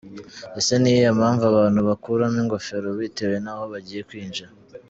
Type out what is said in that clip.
Ese ni iyihe mpamvu abantu bakuramo ingofero bitewe naho bagiye kwinjira?.